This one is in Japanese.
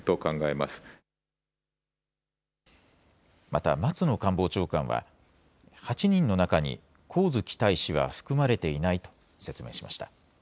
また松野官房長官は８人の中に上月大使は含まれていないと説明しました。